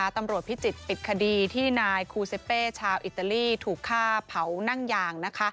พิจิตรปิดคดีที่นายคูเซเป้ชาวอิตาลีถูกฆ่าเผานั่งยาง